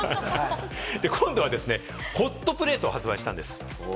今度はホットプレートを発売したんです。